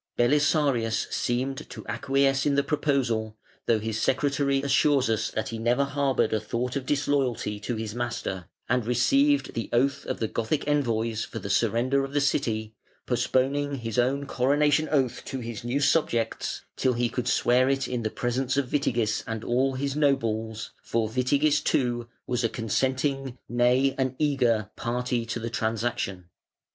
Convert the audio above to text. Belisarius seemed to acquiesce in the proposal (though his secretary assures us that he never harboured a thought of disloyalty to his master), and received the oath of the Gothic envoys for the surrender of the city, postponing his own coronation oath to his new subjects till he could swear it in the presence of Witigis and all his nobles, for Witigis, too, was a consenting, nay, an eager, party to the transaction.